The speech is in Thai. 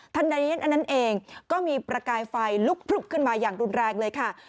อันนั้นเองก็มีประกายไฟลุกพลึบขึ้นมาอย่างรุนแรงเลยค่ะ